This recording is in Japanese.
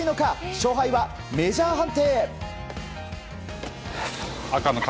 勝敗はメジャー判定。